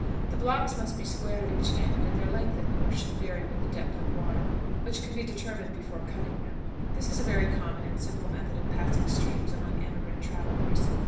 The blocks must be squared at each end, and their length, of course, should vary with the depth of water, which can be determined before cutting them. This is a very common and simple method of passing streams among emigrant travelers.